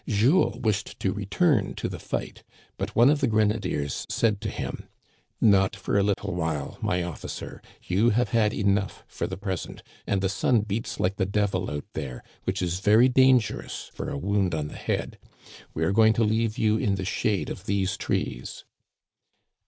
Jules wished to re turn to the fight, but one of the grenadiers said to him :" Not for a little while, my officer. You have had enough for the present, and the sun beats like the devil out there, which is very dangerous for a wound on the head. We are going to leave you in the shade of these trees."